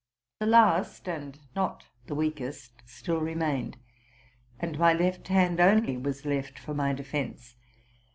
The last. and not the weakest, still remained ; and my left hand only was left for my defence.